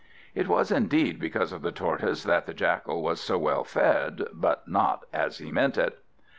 It was indeed because of the Tortoise that the Jackal was so well fed, but not as he meant it.